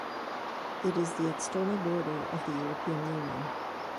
It is the external border of the European Union.